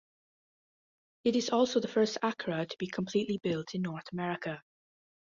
It is also the first Acura to be completely built in North America.